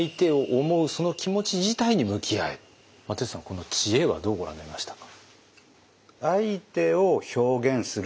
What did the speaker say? この知恵はどうご覧になりましたか？